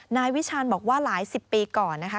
นายวิชาณบอกว่าหลายสิบปีก่อนนะคะ